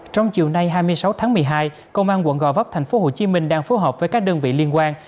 trong chiều nay hai mươi sáu tháng một mươi hai công an quận gò vấp thành phố hồ chí minh đang phối hợp với các đơn vị liên quan